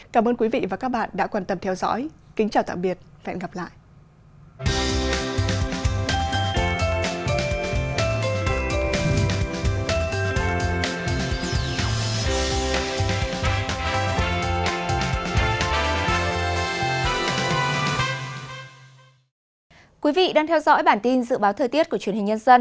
cảm ơn quý vị và các bạn đã quan tâm theo dõi kính chào tạm biệt và hẹn gặp lại